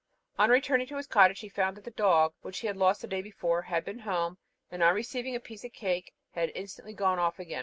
On returning to his cottage he found that the dog, which he had lost the day before, had been home, and on receiving a piece of cake, had instantly gone off again.